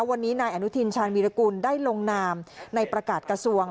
วันนี้นายอนุทินชาญวีรกุลได้ลงนามในประกาศกระทรวง